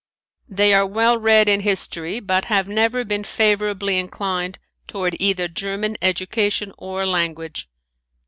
They are well read in history but have never been favorably inclined toward either German education or language.